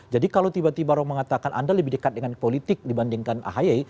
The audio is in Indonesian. jadi kalau tiba tiba orang mengatakan anda lebih dekat dengan politik dibandingkan ahaye